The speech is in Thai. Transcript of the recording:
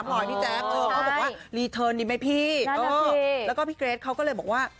พี่แจ๊คเขาบอกว่ารีเทิร์นดีไหมพี่เออแล้วก็พี่เกรทเขาก็เลยบอกว่า